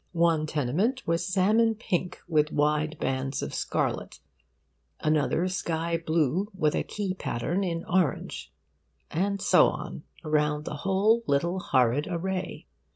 One tenement was salmon pink with wide bands of scarlet, another sky blue with a key pattern in orange, and so on around the whole little horrid array.